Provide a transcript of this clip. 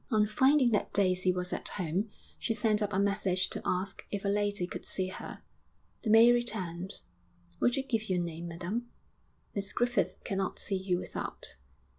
On finding that Daisy was at home, she sent up a message to ask if a lady could see her. The maid returned. 'Would you give your name, madam? Miss Griffith cannot see you without.'